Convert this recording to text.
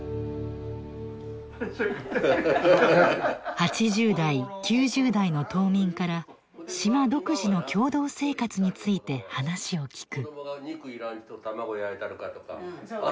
８０代９０代の島民から島独自の共同生活について話を聞く。